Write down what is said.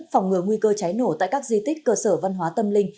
phòng ngừa nguy cơ cháy nổ tại các di tích cơ sở văn hóa tâm linh